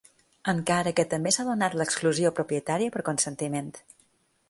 Encara que també s'ha donat l'exclusió propietària per consentiment.